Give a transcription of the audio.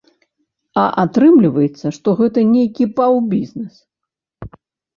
А атрымліваецца, што гэта нейкі паўбізнэс.